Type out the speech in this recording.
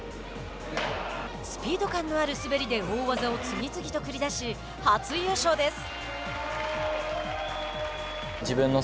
スピード感のある滑りで大技を次々と繰り出し初優勝です。